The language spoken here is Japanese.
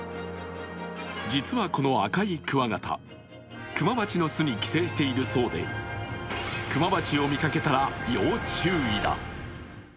実はこの赤いクワガタ、クマバチの巣に寄生しているそうでクマバチを見かけたら要注意だ。